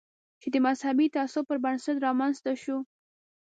چې د مذهبي تعصب پر بنسټ رامنځته شو.